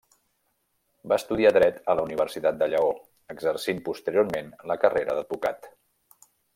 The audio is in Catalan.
Va estudiar dret a la Universitat de Lleó, exercint posteriorment la carrera d'advocat.